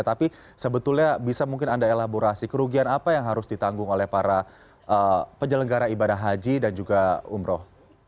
tapi sebetulnya bisa mungkin anda elaborasi kerugian apa yang harus ditanggung oleh para penyelenggara ibadah haji dan juga umroh